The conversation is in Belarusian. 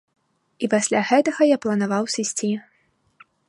І пасля гэтага я планаваў сысці.